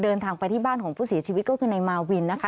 เดินทางไปที่บ้านของผู้เสียชีวิตก็คือนายมาวินนะคะ